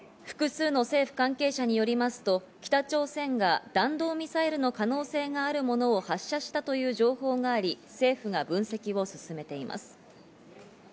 複数の政府関係者によりますと、北朝鮮が弾道ミサイルの可能性があるものを発射したという情報があり、政府が分析を進めています。